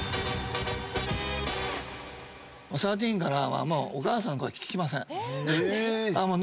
サーティーンからはもうお母さんの声聞きません。